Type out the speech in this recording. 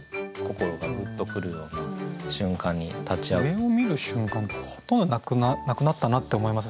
上を見る瞬間ってほとんどなくなったなって思います